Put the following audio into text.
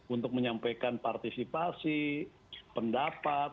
untuk menyampaikan partisipasi pendapat